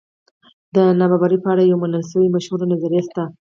د نابرابرۍ په اړه یوه منل شوې مشهوره نظریه شته.